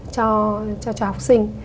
cho học sinh